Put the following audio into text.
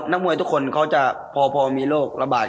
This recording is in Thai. นักมวยทุกคนเขาจะพอมีโรคระบาด